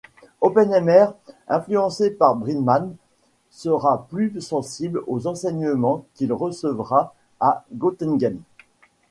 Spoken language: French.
Oppenheimer, influencé par Bridgman, sera plus sensible aux enseignements qu'il recevra à Göttingen.